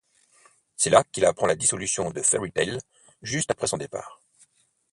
C'est là qu'il apprend la dissolution de Fairy Tail, juste après son départ.